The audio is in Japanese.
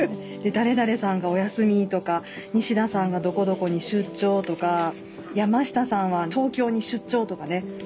誰々さんがお休みとか西田さんがどこどこに出張とか山下さんは東京に出張とかね。